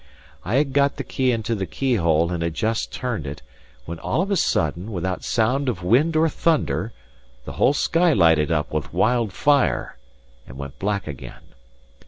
I had got the key into the keyhole and had just turned it, when all upon a sudden, without sound of wind or thunder, the whole sky lighted up with wild fire and went black again.